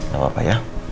gak apa apa ya